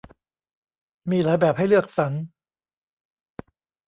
มีหลายแบบให้เลือกสรร